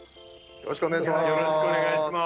よろしくお願いします。